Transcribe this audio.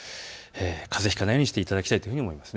かぜをひかないようにしていただきたいと思います。